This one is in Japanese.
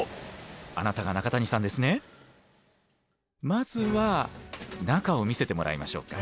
まずは中を見せてもらいましょうか。